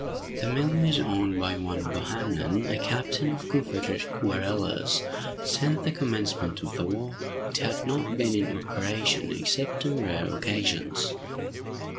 The mill was owned by one Bohannan, a captain of Confederate guerrillas. Since the commencement of the war, it had not been in operation, except on rare occasions.